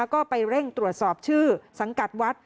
ก็ไปเร่งตรวจสอบชื่อสังกัดวัด